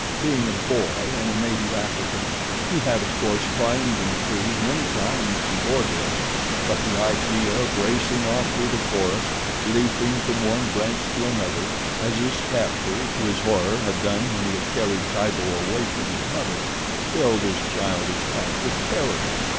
Being a boy, and a native African, he had, of course, climbed into trees many times before this; but the idea of racing off through the forest, leaping from one branch to another, as his captor, to his horror, had done when he had carried Tibo away from his mother, filled his childish heart with terror.